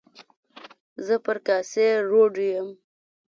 زه پر کاسي روډ یم.